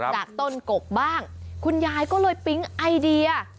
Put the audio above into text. จากต้นกกบ้างคุณยายก็เลยปิ๊งไอเดีย